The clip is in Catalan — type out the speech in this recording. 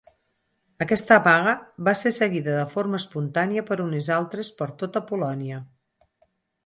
Aquesta vaga va ser seguida de forma espontània per unes altres per tota Polònia.